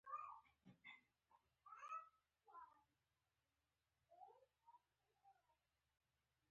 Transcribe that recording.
تر ټولو لويه پرېکړه د وجدان محکمې صادره کړې وي.